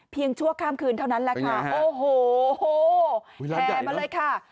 ชั่วข้ามคืนเท่านั้นแหละค่ะโอ้โหแห่มาเลยค่ะ